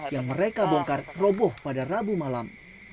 yang mereka bongkar roboh pada rabu malam